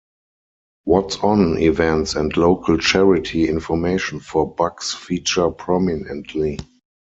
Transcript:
'What's On', events and local charity information for Bucks feature prominently.